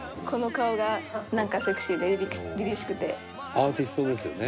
アーティストですよね。